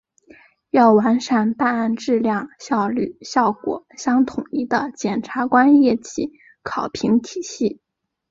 要完善办案质量、效率、效果相统一的检察官业绩考评体系